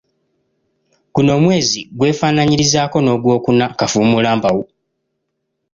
Guno omwezi gwefaananyirizaako n'ogwokuna - Kafuumulampawu.